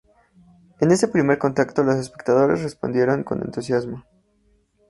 En este primer contacto, los espectadores respondieron con entusiasmo.